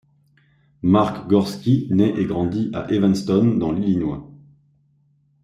Mark Gorski naît et grandit à Evanston dans l'Illinois.